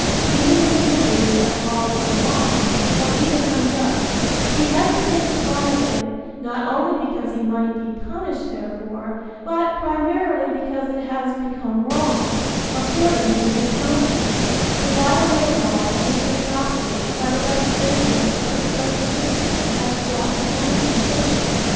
Even when he believes that a law is unwise, or even unjust, he hesitates to violate it, not only because he might be punished therefor, but primarily because it has become wrong, according to his conscience, to violate a law that has been adopted by the representatives of his fellow citizens as just and beneficial.